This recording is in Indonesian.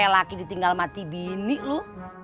saki ditinggal mati bini lu